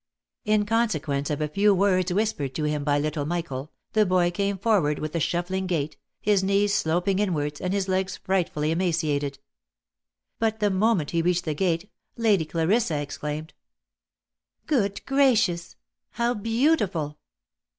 In con sequence of a few words whispered to him by little Michael, the boy came forward with a shuffling gait, his knees sloping inwards, and his legs frightfully emaciated ; but the moment he reached the gate, Lady Clarissa exclaimed, " Good gracious ! how beautiful